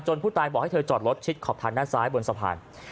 ผู้ตายบอกให้เธอจอดรถชิดขอบทางด้านซ้ายบนสะพาน